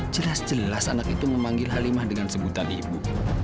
jelas jelas anak itu memanggil halimah dengan sebutan ibu